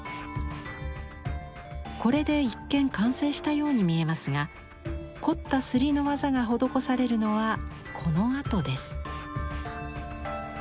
これで一見完成したように見えますが凝った摺りの技が施されるのはこのあとです。